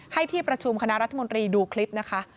ที่ประชุมคณะรัฐมนตรีดูคลิปนะคะ